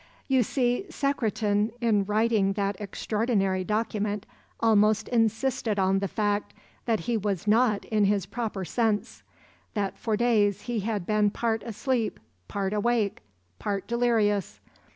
You see, Secretan in writing that extraordinary document almost insisted on the fact that he was not in his proper sense; that for days he had been part asleep, part awake, part delirious.